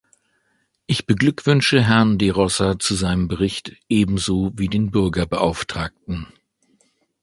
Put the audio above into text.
Ich beglückwünsche Herrn de Rossa zu seinem Bericht, ebenso wie den Bürgerbeauftragten.